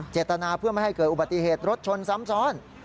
เจตนาเพื่อไม่ให้เกิดอุบัติเหตุรถชนซ้ำซ้อน